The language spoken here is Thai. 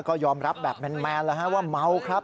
ก็ยอมรับแบบแมนแล้วว่าเมาครับ